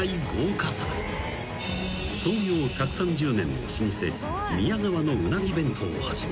［創業１３０年の老舗宮川のうなぎ弁当をはじめ］